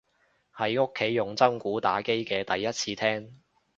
喺屋企用真鼓打機嘅第一次聽